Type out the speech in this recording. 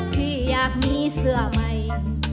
พี่อยากมีเสื้อใหม่